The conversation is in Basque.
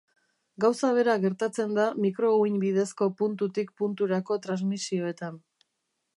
Gauza bera gertatzen da mikrouhin bidezko puntutik punturako transmisioetan.